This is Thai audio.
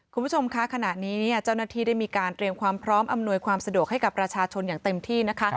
คุณผู้ชมคะขณะนี้เนี่ยเจ้าหน้าที่ได้มีการเตรียมความพร้อมอำนวยความสะดวกให้กับประชาชนอย่างเต็มที่นะคะ